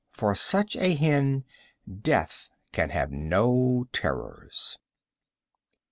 For such a hen death can have no terrors.